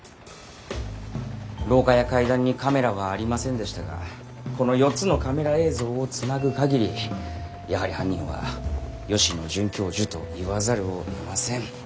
廊下や階段にカメラはありませんでしたがこの４つのカメラ映像をつなぐ限りやはり犯人は吉野准教授と言わざるをえません。